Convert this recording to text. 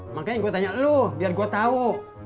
makanya gua tanya lu biar gua tau